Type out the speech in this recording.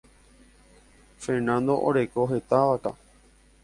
Fernando oreko heta vaka.